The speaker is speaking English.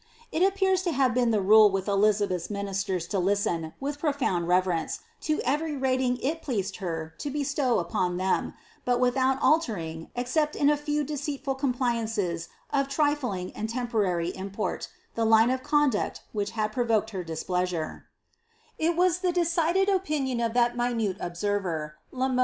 ]t appears to have been the rule with Elizabeth's ministers to listen, vith profoand reverence, to every rating it pleased her to bestow upon them, but without altering, except in a few deceitful compliances of trifling and temporary import, the line of conduct which had provoked her displeasure.